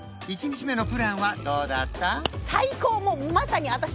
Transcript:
１日目のプランはどうだった？